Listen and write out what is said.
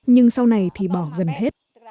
nhưng sau này thì bỏ gần hết